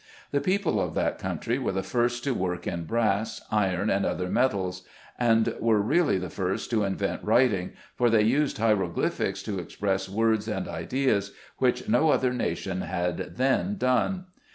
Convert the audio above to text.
The people of that country were the first to work in brass, iron and other metals, and were really the first to invent writing, for they used hieroglyphics to express words and ideas, which no other nation had then done.